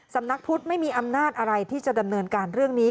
สำนักพุทธไม่มีอำนาจอะไรที่จะดำเนินการเรื่องนี้